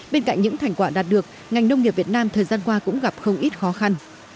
bên cạnh những thành quả đạt được ngành nông nghiệp việt nam thời gian qua cũng gặp không ít khó khăn